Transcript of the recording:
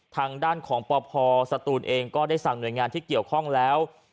ทางด้านของปพสตูนเองก็ได้สั่งหน่วยงานที่เกี่ยวข้องแล้ว